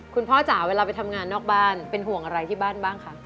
คุณข้าเวลาไปทำงานนอกบ้านคุณพ่อจะเป็นห่วงอะไรที่บ้านบ้างคะ